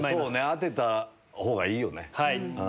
当てたほうがいいよね。